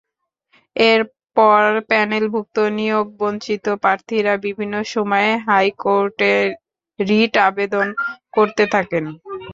এরপর প্যানেলভুক্ত নিয়োগবঞ্চিত প্রার্থীরা বিভিন্ন সময়ে হাইকোর্টে রিট আবেদন করতে থাকেন।